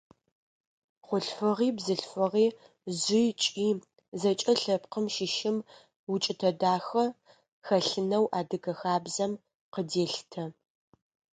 Хъулъфыгъи, бзылъфыгъи, жъи, кӀи – зэкӀэ лъэпкъым щыщым укӀытэ дахэ хэлъынэу адыгэ хабзэм къыделъытэ.